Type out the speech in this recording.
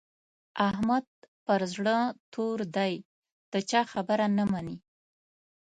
احمد پر زړه تور دی؛ د چا خبره نه مني.